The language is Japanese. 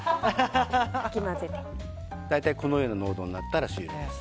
大体このような濃度になったら終了です。